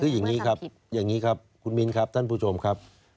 คืออย่างนี้ครับอย่างนี้ครับคุณมิ้นครับท่านผู้ชมครับ